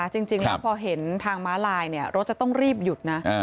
จริงแล้วพอเห็นทางม้าลายรถจะต้องรีบหยุดนะ